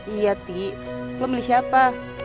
iya ti lo pilih siapa